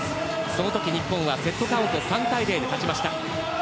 その時、日本はセットカウント３対０で勝ちました。